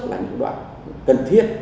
là những đoạn cần thiết